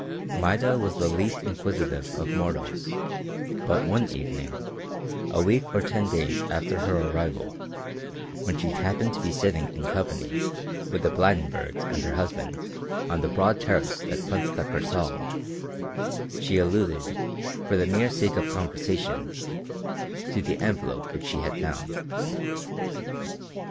Maida was the least inquisitive of mortals, but one evening, a week or ten days after her arrival, when she happened to be sitting in company with the Blydenburgs and her husband on the broad terrace that fronts the Kursaal, she alluded, for the mere sake of conversation, to the envelope which she had found.